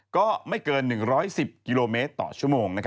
ก็ไม่เกิน๑๑๐กิโลเมตรต่อชั่วโมง